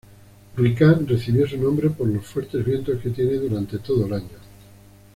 Hurricane recibe su nombre por los fuertes vientos que tiene durante todo el año.